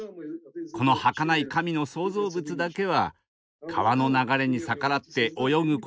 このはかない神の創造物だけは川の流れに逆らって泳ぐことができます。